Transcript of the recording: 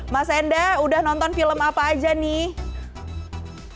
mas enda sudah nonton film apa saja nih